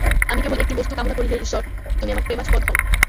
আমি কেবল একটি বস্তু কামনা করি হে ঈশ্বর, তুমি আমার প্রেমাস্পদ হও।